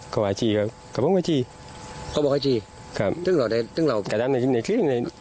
เขาบอกให้จีกครับตามงานนี้